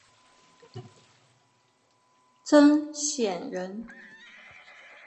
曾铣人。